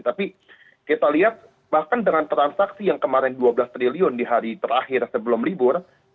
tapi kita lihat bahkan dengan transaksi yang kemarin dua belas triliun di hari terakhir sebelum libur